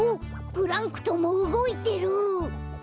プランクトンもうごいてる！